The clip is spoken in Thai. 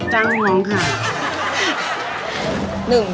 จ้างน้องค่ะ